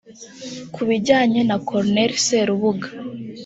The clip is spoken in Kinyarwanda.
Ku bijyanye na Colonel Serubuga